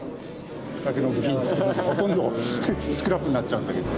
部品ほとんどスクラップになっちゃうんだけど。